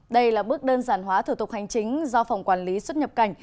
đây là bước đơn giản hóa thủ tục hành chính do phòng quản lý xuất nhập cảnh